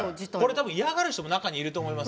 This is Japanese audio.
嫌がる人も中にはいると思います。